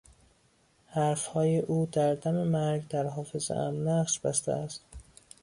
حرفهای او در دم مرگ در حافظهام نقش بسته است.